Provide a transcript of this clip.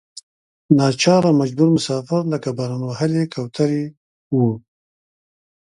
ناچاره مجبور مسافر لکه باران وهلې کوترې وو.